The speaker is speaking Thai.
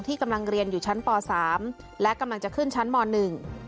กำลังเรียนอยู่ชั้นปสามและกำลังจะขึ้นชั้นมหนึ่ง